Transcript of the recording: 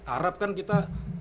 arab kan kita